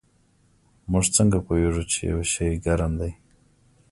موږ څنګه پوهیږو چې یو شی ګرم دی